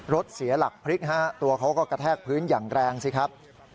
เสียหลักพลิกฮะตัวเขาก็กระแทกพื้นอย่างแรงสิครับ